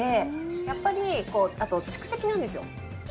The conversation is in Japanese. やっぱり、あと蓄積なんですよ。